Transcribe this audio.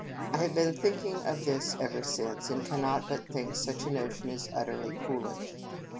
I have been thinking of this ever since, and cannot but think such a notion is utterly foolish.